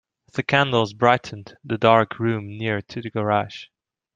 The candles brightened the dark room near to the garage.